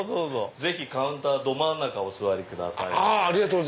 ぜひカウンターど真ん中お座りくださいませ。